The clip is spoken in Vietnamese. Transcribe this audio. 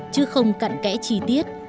chứ không cận kẽ chi tiết